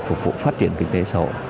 phục vụ phát triển kinh tế xã hội